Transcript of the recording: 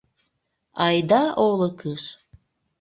Айда олыкыш?